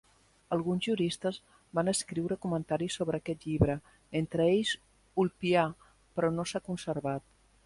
Alguns juristes van escriure comentaris sobre aquest llibre, entre ells Ulpià, però no s'ha conservat.